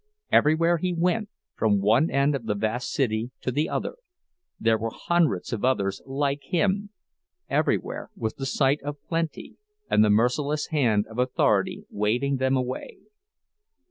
Everywhere he went, from one end of the vast city to the other, there were hundreds of others like him; everywhere was the sight of plenty and the merciless hand of authority waving them away.